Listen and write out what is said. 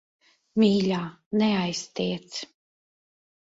Mīļā, neaiztiec.